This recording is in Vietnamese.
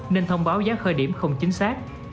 nên thông báo giá khởi điểm không chính xác